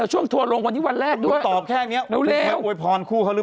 เจ้านางพี่ม้าเคยโอยพรคู่นี้เหรอ